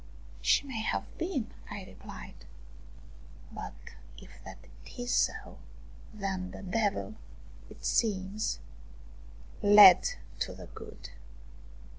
" She may have been,'* I replied, " but if that is so, then the devil, it seems, leads to the good."